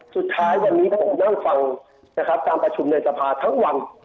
สุดท้ายวันนี้ก็ผมนั่งฟังการประชุมเดินสภาทั้งวัน